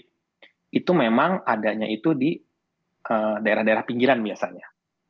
itu memang adanya itu di daerah daerah pinggiran biasanya